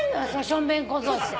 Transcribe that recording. しょんべん小僧って。